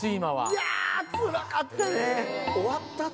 いやつらかったね！